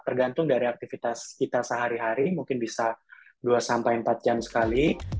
tergantung dari aktivitas kita sehari hari mungkin bisa dua empat jam sekali